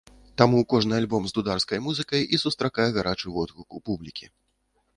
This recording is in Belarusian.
Таму кожны альбом з дударскай музыкай і сустракае гарачы водгук у публікі.